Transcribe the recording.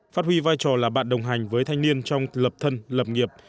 phát huy vai trò là bạn đồng hành với thanh niên trong lập thân lập nghiệp